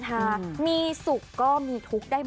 แล้วมีทัมมะนำชีวิต